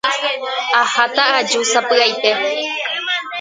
Aháta aju sapy'aite